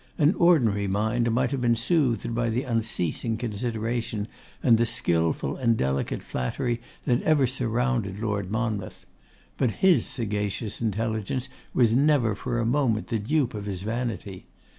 An ordinary mind might have been soothed by the unceasing consideration and the skilful and delicate flattery that ever surrounded Lord Monmouth; but his sagacious intelligence was never for a moment the dupe of his vanity.